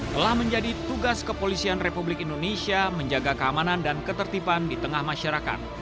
telah menjadi tugas kepolisian republik indonesia menjaga keamanan dan ketertiban di tengah masyarakat